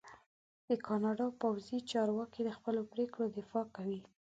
د کاناډا پوځي چارواکي د خپلو پرېکړو دفاع کوي.